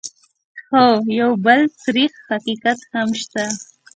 خو یو بل تريخ حقیقت هم شته: